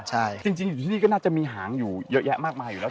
ที่นี่ก็น่าจะมีหางอยู่เยอะแยะมากมายอยู่แล้ว